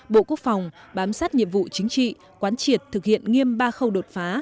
bộ quốc phòng bám sát nhiệm vụ chính trị quán triệt thực hiện nghiêm ba khâu đột phá